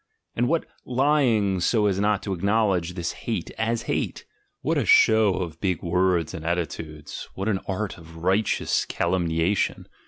And what lying so as not to acknowledge this hate as hate! What a show of big words and attitudes, what an art of "righteous" calumni ation!